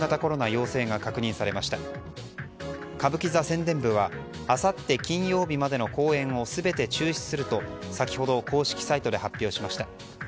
宣伝部はあさって金曜日までの公演を全て中止すると先ほど公式サイトで発表しました。